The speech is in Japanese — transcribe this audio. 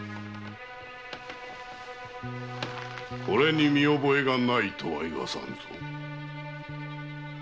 これに見覚えがないとは言わさぬぞ。